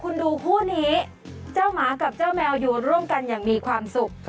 คุณดูคู่นี้เจ้าหมากับเจ้าแมวอยู่ร่วมกันอย่างมีความสุข